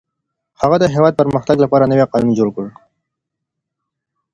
هغه د هېواد د پرمختګ لپاره نوي قوانین جوړ کړل.